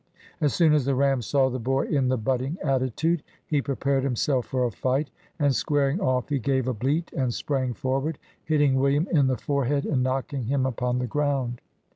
As soon as the ram saw the boy in Re butting attitude, he prepared himself for a fight, and, squaring off, he gave a bleat, and sprang forward, hitting William in the forehead, and knocking him upon the ground.